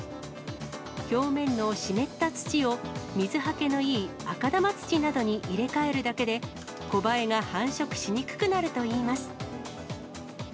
表面の湿った土を水はけのいい赤玉土などに入れ替えるだけで、コバエが繁殖しにくくなるといいます。